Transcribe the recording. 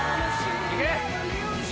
行け！